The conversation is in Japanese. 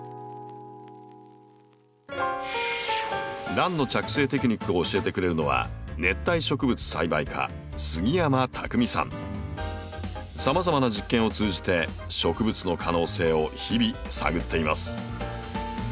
ランの着生テクニックを教えてくれるのはさまざまな実験を通じて植物の可能性を日々探っています。